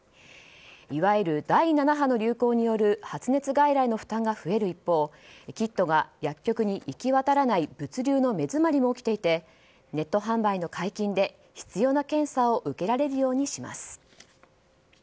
いわゆる第７波の流行による発熱外来の負担が増える一方キットが薬局に行き渡らない物流の根詰まりも起きていてネット販売の解禁で必要な検査を受けられるようにします。